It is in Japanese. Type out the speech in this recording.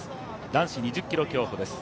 男子２０ｋｍ競歩です。